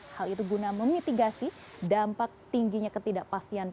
hal itu guna memitigasi dampak tingginya ketidakpastian